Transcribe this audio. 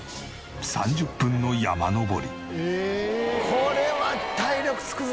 ３０分の山登り。